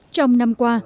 trong năm qua